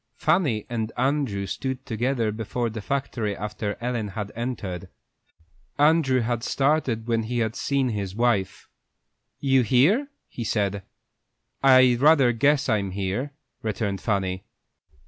Fanny and Andrew stood together before the factory after Ellen had entered. Andrew had started when he had seen his wife. "You here?" he said. "I rather guess I'm here," returned Fanny.